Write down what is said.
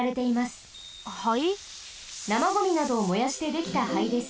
なまゴミなどを燃やしてできた灰です。